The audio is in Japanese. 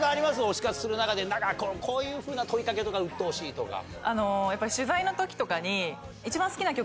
推し活する中でこういうふうな問い掛けとかうっとうしいとか。